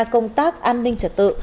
công tác an ninh trật tự